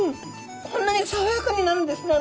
こんなにさわやかになるんですね。